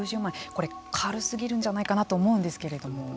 これ軽すぎるんじゃないかなと思うんですけれども。